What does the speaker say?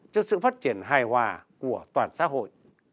cho sự phát triển hài hòa của toàn xã hội